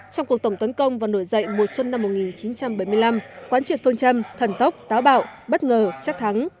trong cuộc tổng tấn công và nổi dậy mùa xuân năm một nghìn chín trăm bảy mươi năm quán triệt phương châm thần tốc táo bạo bất ngờ chắc thắng